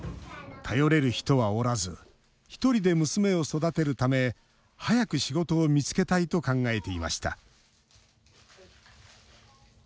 頼れる人はおらず１人で娘を育てるため早く仕事を見つけたいと考えていました。